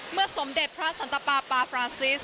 เมื่อสมเด็จพระสันตะปะพาฟรังซิส